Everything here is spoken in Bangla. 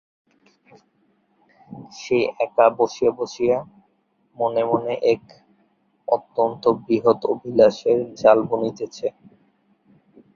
সে একা বসিয়া বসিয়া মনে মনে এক অত্যন্ত বৃহৎ অভিলাষের জাল বুনিতেছে।